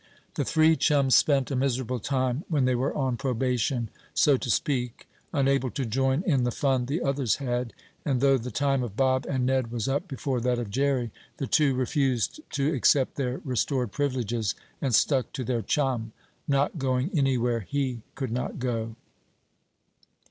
The three chums spent a miserable time when they were on probation, so to speak, unable to join in the fun the others had. And though the time of Bob and Ned was up before that of Jerry, the two refused to accept their restored privileges, and stuck to their chum, not going anywhere he could not go.